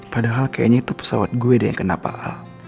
padahal kayaknya itu pesawat gue deh yang kena paha